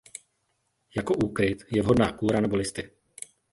Jako úkryt je vhodná kůra nebo listy.